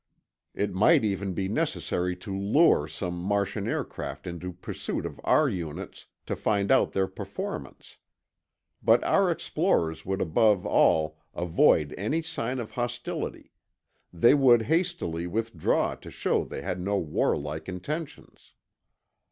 It might even be necessary to lure some Martian aircraft into pursuit of our units, to find out their performance. But our explorers would above all avoid any sign of hostility; they would hastily. withdraw to show they had no warlike intentions.